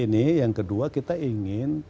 ini yang kedua kita ingin